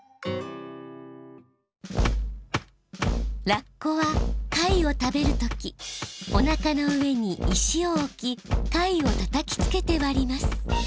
ラッコは貝を食べる時おなかの上に石を置き貝をたたきつけて割ります